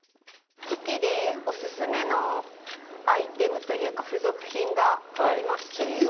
チェキでおすすめのアイテムというか付属品がありまして。